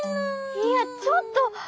いやちょっと。